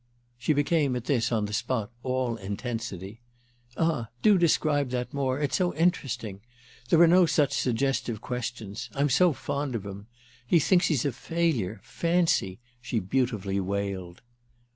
She became at this, on the spot, all intensity. "Ah do describe that more—it's so interesting. There are no such suggestive questions. I'm so fond of them. He thinks he's a failure—fancy!" she beautifully wailed.